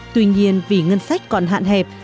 tuy nhiên vì ngân sách còn hạn hẹp